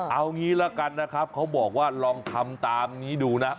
เอางี้ละกันนะครับเขาบอกว่าลองทำตามนี้ดูนะ